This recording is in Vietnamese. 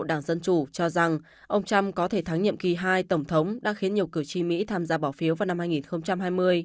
đảng dân chủ cho rằng ông trump có thể thắng nhiệm kỳ hai tổng thống đã khiến nhiều cử tri mỹ tham gia bỏ phiếu vào năm hai nghìn hai mươi